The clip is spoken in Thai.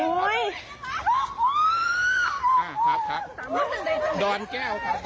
ดอนแก้วค่ะดอนแก้ว